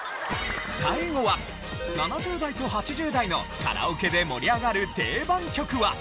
最後は７０代と８０代のカラオケで盛り上がる定番曲は。